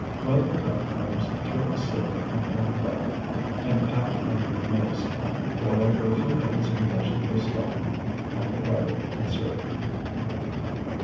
Rub the bread crumbs through a sieve and add the onion and mace. Boil for a few minutes in the vegetable stock, add the butter, and serve.